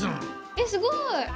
えっすごい！